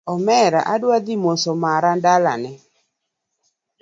Omera adwa dhi moso mara dalane